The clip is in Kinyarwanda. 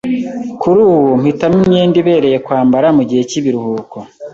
Kuri ubu, mpitamo imyenda ibereye kwambara mugihe cyibiruhuko.